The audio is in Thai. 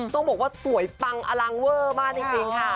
ต้องบอกว่าสวยปังอลังเวอร์มากจริงค่ะ